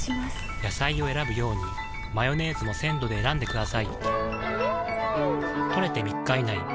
野菜を選ぶようにマヨネーズも鮮度で選んでくださいん！